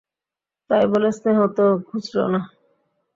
তাই বলে স্নেহ তো ঘুচল না।